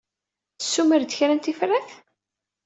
Tessumer-d kra n tifrat?